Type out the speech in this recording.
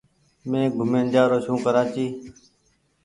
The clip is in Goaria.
مين گھومين جآ رو ڇون ڪرآچي ۔